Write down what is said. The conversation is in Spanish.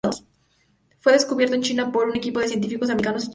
Fue descubierto en China por un equipo de científicos americanos y chinos.